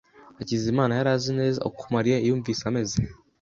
Hakizimana yari azi neza uko Mariya yumvise ameze.